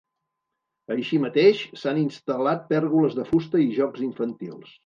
Així mateix, s’han instal·lat pèrgoles de fusta i jocs infantils.